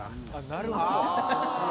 なるほど。